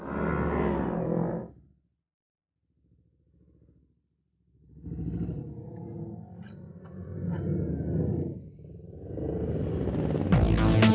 kabur lagi kejar kejar kejar